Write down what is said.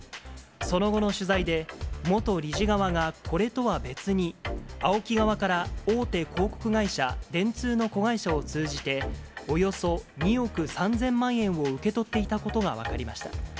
その後の取材で、元理事側がこれとは別に、ＡＯＫＩ側から大手広告会社、電通の子会社を通じて、およそ２億３０００万円を受け取っていたことが分かりました。